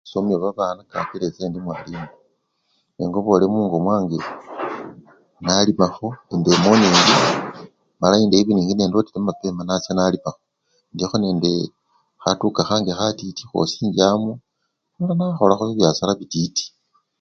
"Isomya babana kakila ese indi mwalimu, nengobole mungo mwange nalimakho ""in the morning"" mala ""in the evening"" nendotele mapema nacha nalimakho, indikho nende khatuka khase khatiti khosi inchamo mala nakholakho bibyasara bititi."